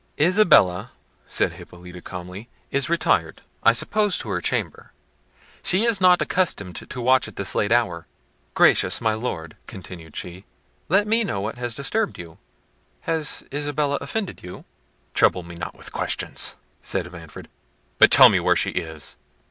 "Isabella," said Hippolita calmly, "is retired, I suppose, to her chamber: she is not accustomed to watch at this late hour. Gracious my Lord," continued she, "let me know what has disturbed you. Has Isabella offended you?" "Trouble me not with questions," said Manfred, "but tell me where she is."